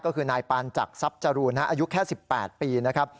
ก็คือนายปานจักรทรัพย์จรูนอายุแค่๑๘ปีนะครับ